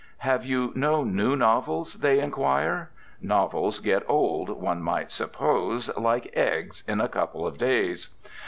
"Have you no new novels?" they inquire. Novels get "old," one might suppose, like eggs, in a couple of days.